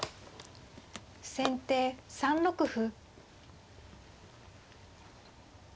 先手３六歩。